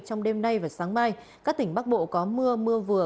trong đêm nay và sáng mai các tỉnh bắc bộ có mưa mưa vừa